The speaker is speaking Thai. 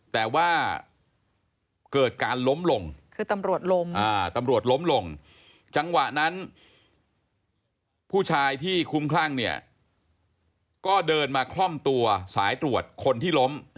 แต่ว่าเกิดการล้มลงคือตำรวจลงตำรวจล้มลงจังหวะนั้นผู้ชายที่คุ้มคลั่งเนี่ยก็เดินมาคล่อมตัวสายตรวจคนที่ล้ม